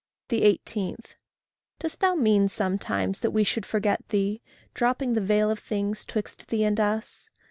18. Dost thou mean sometimes that we should forget thee, Dropping the veil of things 'twixt thee and us?